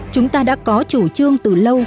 chúng ta đã có chủ trương từ lâu